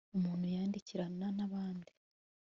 umuntu yandikirana n'abandi